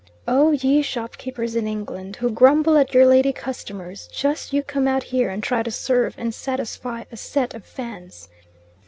Oh ye shopkeepers in England who grumble at your lady customers, just you come out here and try to serve, and satisfy a set of Fans!